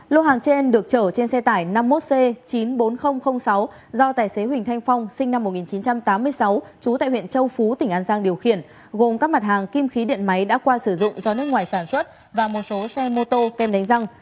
lô hàng trên được chở trên xe tải năm mươi một c chín mươi bốn nghìn sáu do tài xế huỳnh thanh phong sinh năm một nghìn chín trăm tám mươi sáu trú tại huyện châu phú tỉnh an giang điều khiển gồm các mặt hàng kim khí điện máy đã qua sử dụng do nước ngoài sản xuất và một số xe mô tô kem đánh răng